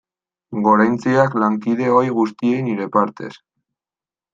Goraintziak lankide ohi guztiei nire partez.